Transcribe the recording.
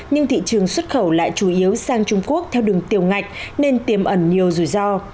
nhưng thị trường xuất khẩu lại chủ yếu sang trung quốc theo đường tiểu ngạch nên tiềm ẩn nhiều rủi ro